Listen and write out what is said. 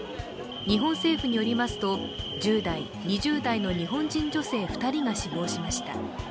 日本政府によりますと１０代、２０代の日本人女性２人が死亡しました。